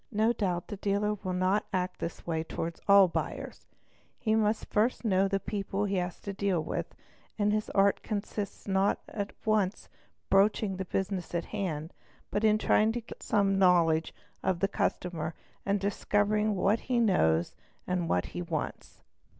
No doubt the dealer will not act in this way towards all buyers; he must first know the people he has to deal with and his art consists in not — at once broaching the business in hand, but in trying to get some know ~ ledge of the customer and discovering what he knows and what he wants.